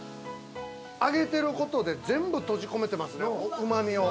揚げてることで全部閉じ込めてますねうま味を。